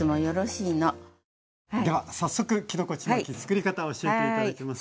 では早速きのこちまきつくり方を教えて頂きます。